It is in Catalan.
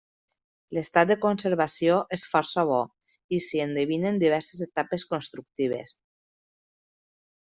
L'estat de conservació és força bo i s'hi endevinen diverses etapes constructives.